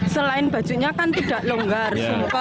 selain bajunya kan tidak longgar semua